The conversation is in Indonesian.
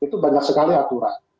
itu banyak sekali aturan